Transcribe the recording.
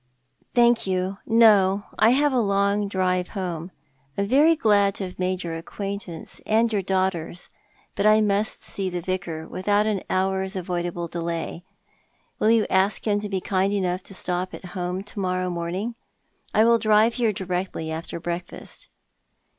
'' Thank you, no. I have a long drive home. I am very glad to have made your acquaintance, and your daughter's. i>ut I must see the Vicar without an hour's avoidable delay. Will you ask him to be kind enough to stop at home to morrow morning ? I will drive here directly after breakfast."